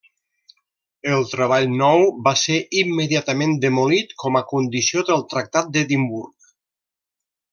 El treball nou va ser immediatament demolit com a condició del Tractat d'Edimburg.